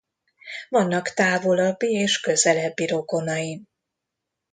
Vannak távolabbi és közelebbi rokonaim.